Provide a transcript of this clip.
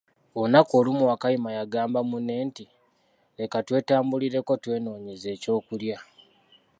Olunaku olumu Wakayima y'agamba munne nti, leka twetambulireko twenonyeze eky'okulya.